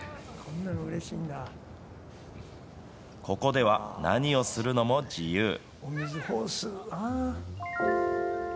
ここでは、何をするのも自由。